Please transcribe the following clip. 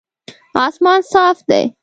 اسمان صاف دی